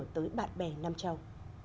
tới bạn bè nam châu